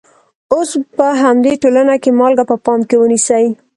اوس په همدې ټولنه کې مالګه په پام کې ونیسئ.